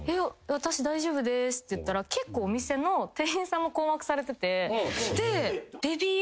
私大丈夫です」って言ったら結構お店の店員さんも困惑されてて。